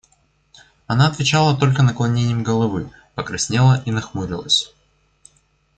Она отвечала только наклонением головы, покраснела и нахмурилась.